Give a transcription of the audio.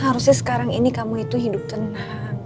harusnya sekarang ini kamu itu hidup tenang